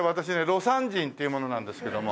魯山人っていう者なんですけども。